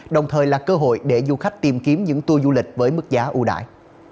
đồng thời là cơ hội để du khách tìm kiếm những tour du lịch với mức giá ưu đại